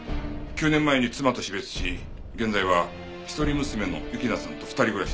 ９年前に妻と死別し現在は一人娘の雪菜さんと二人暮らしです。